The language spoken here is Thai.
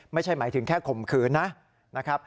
ไม่ใช่หมายถึงแค่ข่มขืนนะครับ